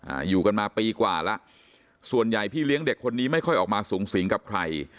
อยู่กันมาปีกว่าแล้วส่วนใหญ่พี่เลี้ยงเด็กคนนี้ไม่ค่อยออกมาสูงสิงกับใคร